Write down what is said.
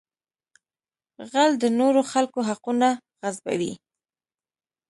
غل د نورو خلکو حقونه غصبوي